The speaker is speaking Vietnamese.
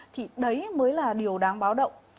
thì đấy mới là điều đáng báo động